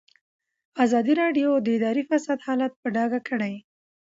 ازادي راډیو د اداري فساد حالت په ډاګه کړی.